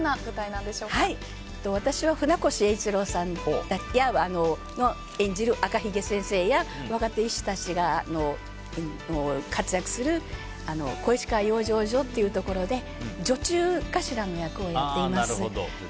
私は船越英一郎さん演じる赤ひげ先生や若手医師たちが活躍する小石川養生所とういところで女中頭の役をやっています。